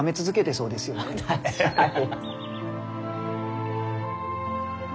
確かに！